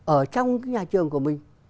ở trong cái nhà trường của mình